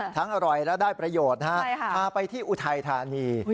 ทั้งอร่อยและได้ประโยชน์นะฮะใช่ค่ะพาไปที่อุทัยธานี